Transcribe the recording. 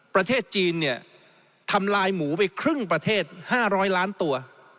ประเทศจีนเนี่ยทำลายหมูไปครึ่งประเทศ๕๐๐ล้านตัว